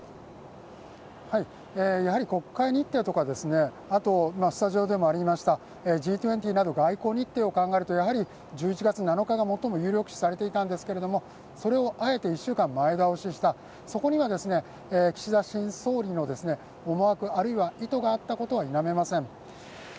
やはり国会日程とか、Ｇ２０など外交日程を考えると１１月７日が最も有力視されていたんですけれども、それをあえて１週間前倒しした、そこには岸田新総理の思惑、あるいは意図があったことは否めません。